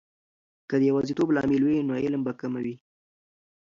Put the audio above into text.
که د یواځیتوب لامل وي، نو علم به کمه وي.